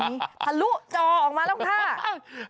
พลุออกมาแล้วค่ะ